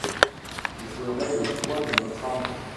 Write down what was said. ce serait le poids de notre âme.